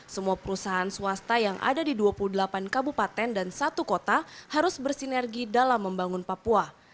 semua perusahaan swasta yang ada di dua puluh delapan kabupaten dan satu kota harus bersinergi dalam membangun papua